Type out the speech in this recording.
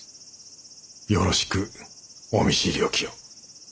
よろしくお見知りおきを。